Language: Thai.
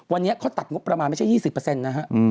วันนี้เขาตัดงบประมาณไม่ใช่๒๐นะฮะ